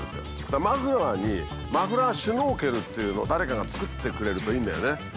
だからマフラーにマフラーシュノーケルっていうのを誰かが作ってくれるといいんだよね。